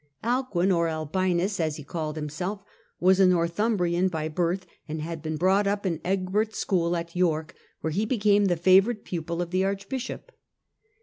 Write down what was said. Alcuin or Albinus, as he called himself, was a Nor Alcuin thumbrian by birth, and had been brought up in Egbert's school at York, where he became the favourite pupil of the archbishop.